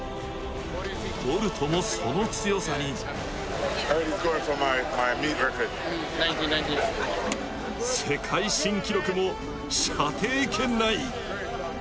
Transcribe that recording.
ボルトも、その強さに世界新記録も射程圏内。